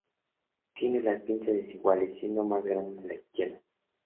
Tienen las pinzas desiguales, siendo más grande la izquierda.